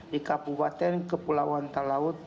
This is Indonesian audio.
di kapupaten kepulauan talaut